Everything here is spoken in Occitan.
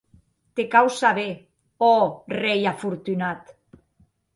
Te cau saber, ò rei afortunat!